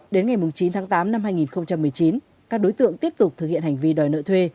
đến ngày chín tháng tám năm hai nghìn một mươi chín các đối tượng tiếp tục thực hiện hành vi đòi nợ thuê